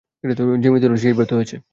যে মিথ্যা উদ্ভাবন করেছে সেই ব্যর্থ হয়েছে।